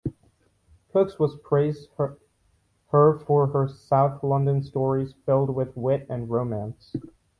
Crookes was praised her for her "South London stories filled with wit and romance".